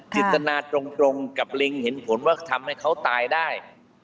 จิตนาตรงกับลิงเห็นผลว่าทำให้เขาตายได้